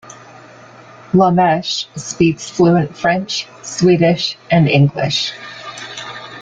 Lameche speaks fluent French, Swedish and English.